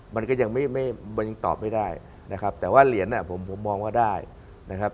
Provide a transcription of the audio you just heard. มันก็ยังไม่มันยังตอบไม่ได้นะครับแต่ว่าเหรียญผมผมมองว่าได้นะครับ